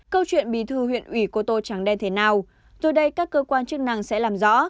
câu chuyện bì thư huyện ủy cô tô chẳng đen thế nào rồi đây các cơ quan chức năng sẽ làm rõ